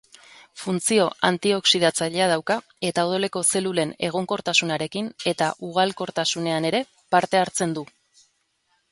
Funtzio antioxidatzailea dauka eta odoleko zelulen egonkortasunarekin eta ugalkortasunean ere parte hartzen du.